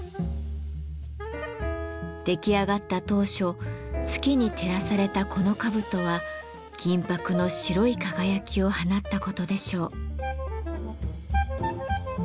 出来上がった当初月に照らされたこの兜は銀箔の白い輝きを放ったことでしょう。